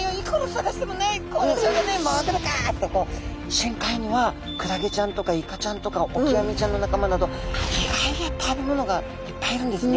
深海にはクラゲちゃんとかイカちゃんとかオキアミちゃんの仲間など意外な食べ物がいっぱいいるんですね。